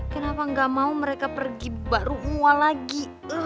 kenapa gak mau mereka pergi baru mual lagi